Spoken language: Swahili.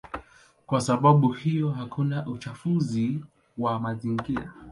Kwa sababu hiyo hakuna uchafuzi wa mazingira.